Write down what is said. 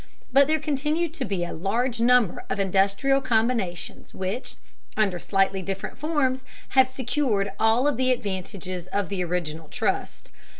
But there continued to be a large number of industrial combinations which, under slightly different forms, have secured all of the advantages of the original trust.